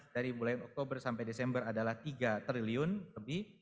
dari bulan oktober sampai desember adalah tiga triliun lebih